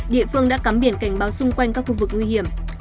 địa phương đã cắm biển cảnh báo xung quanh các khu vực nguy hiểm